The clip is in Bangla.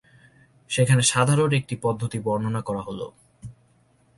এখানে সাধারণ একটি পদ্ধতি বর্ণনা করা হলো।